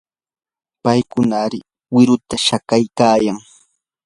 paykuna hara wiruta shakaykaayan.